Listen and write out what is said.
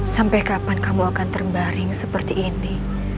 sampai kapan kamu akan terbaring seperti ini